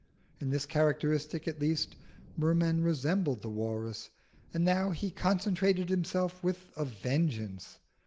In this characteristic, at least, Merman resembled the walrus. And now he concentrated himself with a vengeance.